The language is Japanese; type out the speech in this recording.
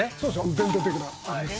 伝統的な味です。